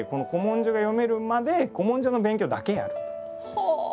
はあ！